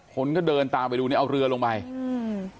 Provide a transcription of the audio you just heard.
คนก็เดินตามไปดูเนี่ยเอาเรือลงไปอืม